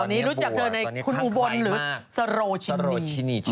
ในครุนอุบรณหรือศาโลชินี